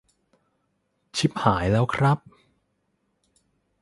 ชิบหายแล้วครับ